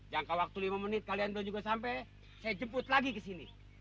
jangka waktu lima menit kalian belum juga sampai saya jemput lagi ke sini